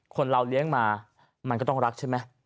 คนเราเลี้ยงมามันก็ต้องรักใช่ไหม